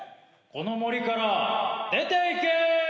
・この森から出ていけ！